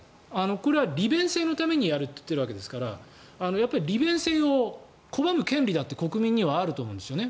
これは利便性のためにやると言っているわけですから利便性を拒む権利だって国民にはあると思うんですね。